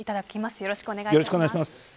よろしくお願いします。